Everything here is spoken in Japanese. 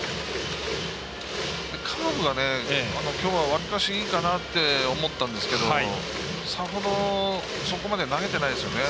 カーブがきょうは割かしいいかなって思ったんですけど、さほどそこまで投げてないですよね